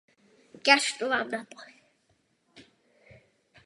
Později vyšly povídky knižně a přibylo k nim i množství dalších knih.